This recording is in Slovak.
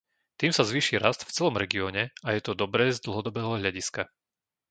Tým sa zvýši rast v celom regióne a je to dobré z dlhodobého hľadiska.